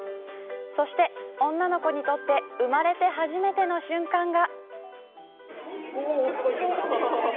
そして女の子にとって生まれて初めての瞬間が。